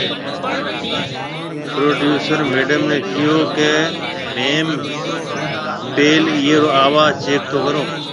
پر پروڊيوسر ميڊم ني ڪهيو ڪي، ميم پيل ايئي ري آواز چيڪ تو ڪرو